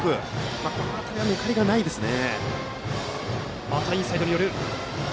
この辺り、抜かりがないですね。